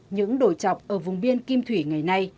những đồi chọc ở vùng biên kim thủy ngày nay